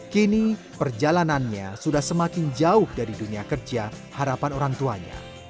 kini perjalanannya sudah semakin jauh dari dunia kerja harapan orang tuanya